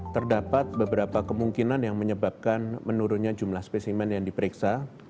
terdapat beberapa kemungkinan yang menyebabkan menurunnya jumlah spesimen yang diperiksa